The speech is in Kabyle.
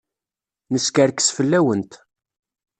Neskerkes fell-awent.